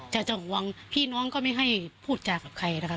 จะต้องห่วงพี่น้องก็ไม่ให้พูดจากับใครนะคะ